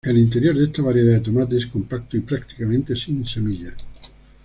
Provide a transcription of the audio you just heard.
El interior de esta variedad de tomate es compacto y prácticamente sin semillas.